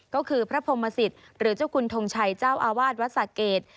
ก็คือพระพรหมสิตหรือเจ้าคุณทงชัยเจ้าอาวาสวัดสะเกด